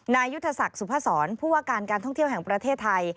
นายุทธศักดิ์สุภาษรผู้ว่าการการท่องเที่ยวแห่งประเทศไทย